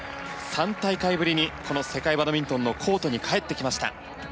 ３大会ぶりにこの世界バドミントンのコートに帰ってきました。